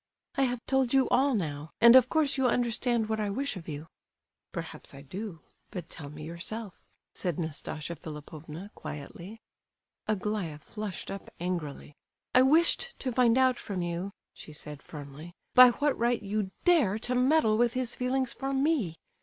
"I have told you all now, and of course you understand what I wish of you." "Perhaps I do; but tell me yourself," said Nastasia Philipovna, quietly. Aglaya flushed up angrily. "I wished to find out from you," she said, firmly, "by what right you dare to meddle with his feelings for me?